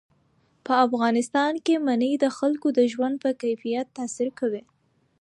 په افغانستان کې منی د خلکو د ژوند په کیفیت تاثیر کوي.